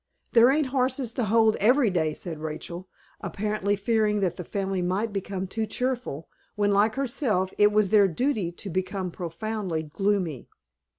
"There ain't horses to hold every day," said Rachel, apparently fearing that the family might become too cheerful, when, like herself, it was their duty to become profoundly gloomy.